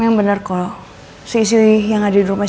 yang bener kok si isli yang ada di rumah